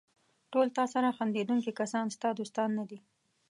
ټول تاسره خندېدونکي کسان ستا دوستان نه دي.